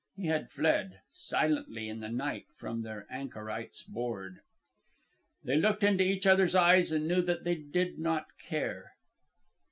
He had fled, silently, in the night, from their anchorites' board. "They looked into each other's eyes and knew that they did not care.